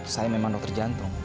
saya memang dokter jantung